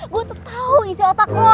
gue tuh tahu isi otak lo